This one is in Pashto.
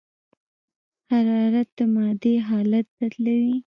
حرارت د مادې حالت بدلوي.